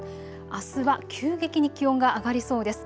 あすは急激に気温が上がりそうです。